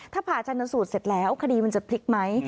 ถ้าผ่าชนสูตรเสร็จแล้วคดีมันจะพลิกไหม